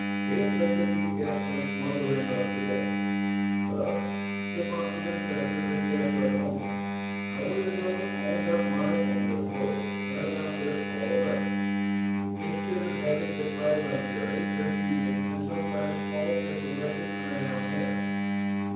"... if they could be kept from smothering us to death. Thus, if our ancestors had kept their Omans, I would have known all about life on this world and about this Hall of Records, instead of having the fragmentary, confusing, and sometimes false information I now have